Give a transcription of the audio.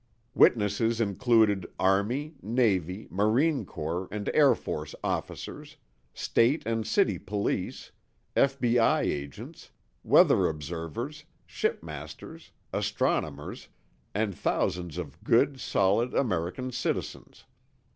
Witnesses included Army, Navy, Marine Corps, and Air Force officers; state and city police; F.B.I. agents; weather observers, shipmasters, astronomers, and thousands of good solid American citizens.